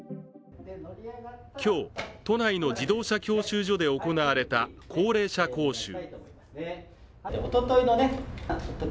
今日、都内の自動車教習所で行われた高齢者講習。